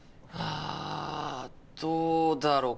あどうだろ？